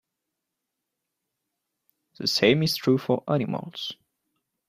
The same is true for animals.